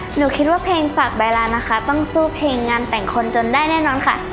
หนูคิดว่าเพลงฝากใบลานนะคะต้องสู้เพลงงานแต่งคนจนได้แน่นอนค่ะ